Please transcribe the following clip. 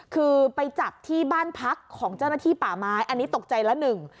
คือไปจับที่บ้านพักของเจ้าหน้าที่ป่าไม้อันนี้ตกใจละหนึ่ง